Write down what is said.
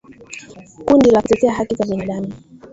Kundi la kutetea haki za binadamu